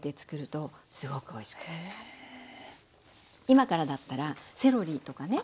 今からだったらセロリとかね。